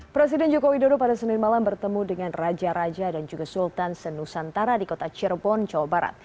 presiden joko widodo pada senin malam bertemu dengan raja raja dan juga sultan senusantara di kota cirebon jawa barat